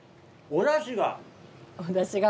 おだしが。